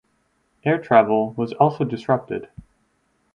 Air travel was also disrupted.